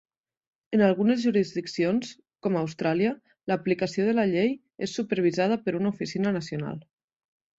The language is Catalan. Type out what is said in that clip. En algunes jurisdiccions, com Austràlia, l'aplicació de la llei és supervisada per una oficina nacional.